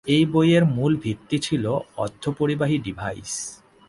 এই বইয়ের মূল ভিত্তি ছিলো অর্ধপরিবাহী ডিভাইস।